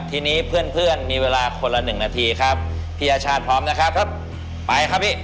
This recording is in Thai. ทีนี้เพื่อนมีเวลาคนละ๑นาทีครับพี่อาชารพร้อมนะครับไปครับพี่